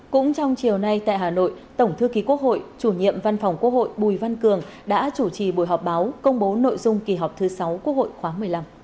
cũng trong chiều nay tại hà nội tổng thư ký quốc hội chủ nhiệm văn phòng quốc hội bùi văn cường đã chủ trì buổi họp báo công bố nội dung kỳ họp thứ sáu quốc hội khóa một mươi năm